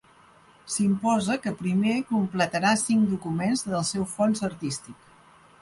S'imposa que primer completarà cinc documents del seu fons artístic.